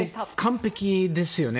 完璧ですよね。